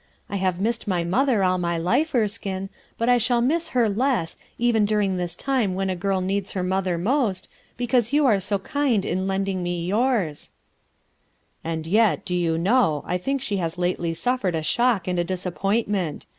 I have missed my mother all my life, Erskine, but I hall miss her less, even during this time when a girl needs her mother most, because you are so kind in lending me yours/' "And yet, do you know, I think she haa latelv suffered a shock and a disappointment?